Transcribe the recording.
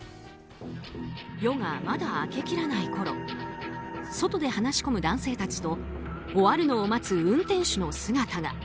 夜がまだ明けきらないころ外で話し込む男性たちと終わるのを待つ運転手の姿が。